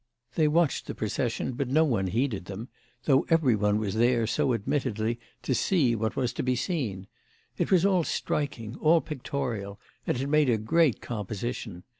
They watched the procession, but no one heeded them, though every one was there so admittedly to see what was to be seen. It was all striking, all pictorial, and it made a great composition.